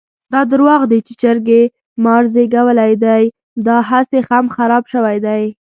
دا درواغ دي چې چرګې مار زېږولی دی؛ داهسې خم خراپ شوی دی.